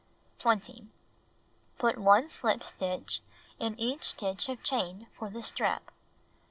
20. Put 1 slip stitch in each stitch of chain for the strap.